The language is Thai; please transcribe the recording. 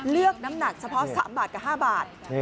น้ำหนักเฉพาะ๓บาทกับ๕บาท